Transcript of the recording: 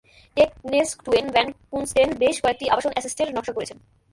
Tegnestuen ভ্যানকুন্সটেন বেশ কয়েকটি আবাসন এস্টেটের নকশা করেছেন।